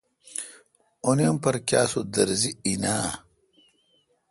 اُ نی اُم پرکیا سُودرزی این آں؟